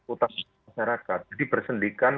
utama masyarakat jadi bersendirikan